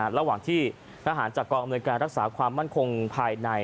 ระหว่างที่ทหารจากกองอำนวยการรักษาความมั่นคงภายใน